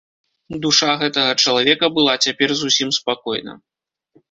Душа гэтага чалавека была цяпер зусім спакойна.